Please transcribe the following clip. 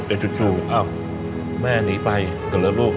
แต่จุดแม่นีไปเดี๋ยวแล้วลูก